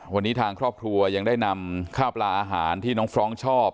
วันนี้ทางครอบครัวยังได้นำข้าวปลาอาหารที่น้องฟรองก์ชอบ